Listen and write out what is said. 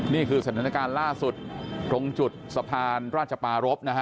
นี่คือสถานการณ์ล่าสุดตรงจุดสะพานราชปารพนะฮะ